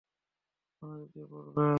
মনোযোগ দিয়ে পড়বে।